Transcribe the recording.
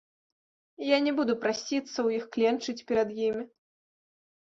Я не буду прасіцца ў іх, кленчыць перад імі.